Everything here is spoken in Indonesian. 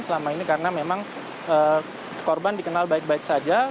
selama ini karena memang korban dikenal baik baik saja